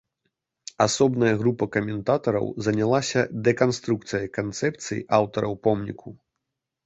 Асобная група каментатараў занялася дэканструкцыяй канцэпцыі аўтараў помніку.